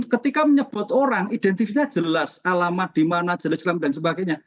ketika menyebut orang identitas jelas alamat di mana jelas alam dan sebagainya